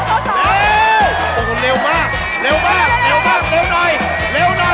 โอ้โหเร็วเร็วจริง